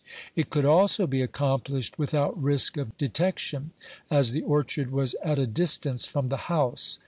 It could also be accomplished without risk of detection, as the orchard was at a distance from the house.